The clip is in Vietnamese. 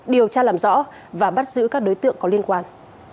điều tra làm rõ và bắt giữ các đối tượng có liên quan